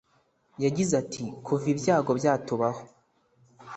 yagize ati “Kuva ibyago byatubaho